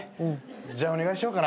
じゃあお願いしようかな。